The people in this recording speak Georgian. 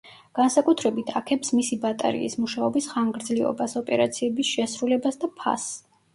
განსაკუთრებით აქებს მისი ბატარეის მუშაობის ხანგრძლივობას, ოპერაციების შესრულებას და ფასს.